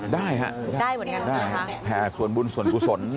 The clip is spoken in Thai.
ได้ครับได้หมดกันนะคะแผ่ส่วนบุญส่วนผู้สน